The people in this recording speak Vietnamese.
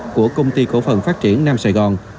của công ty cổ phần phát triển nam sài gòn